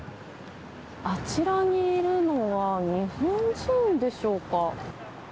あちらにいるのは、日本人でしょうか。